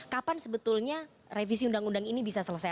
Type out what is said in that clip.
kapan sebetulnya revisi undang undang ini bisa selesai